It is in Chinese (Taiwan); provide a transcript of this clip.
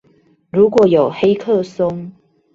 如果有黑客松